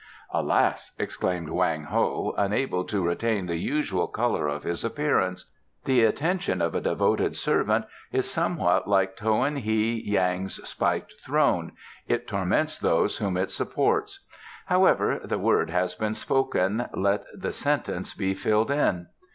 "Alas!" exclaimed Wang Ho, unable to retain the usual colour of his appearance, "the attention of a devoted servant is somewhat like Tohen hi Yang's spiked throne it torments those whom it supports. However, the word has been spoken let the sentence be filled in."